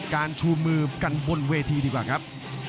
ชูมือกันบนเวทีดีกว่าครับ